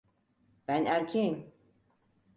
Ben erkeğim.